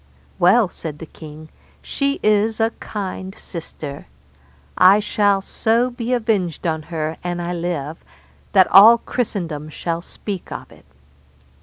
Well, said the king, she is a kind sister; I shall so be avenged on her an I live, that all Christendom shall speak of it.